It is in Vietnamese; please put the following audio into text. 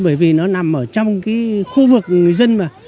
bởi vì nó nằm ở trong cái khu vực người dân mà